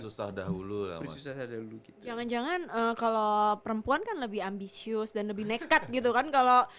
susah dahulu ya jangan jangan kalau perempuan kan lebih ambisius dan lebih nekat gitu kan kalau